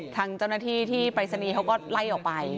ทางเจ้าหน้าที่ที่ปรายศนีย์เขาก็ไล่ออกไป